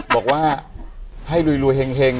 บอกว่าให้รวยหลวยเฮ็ง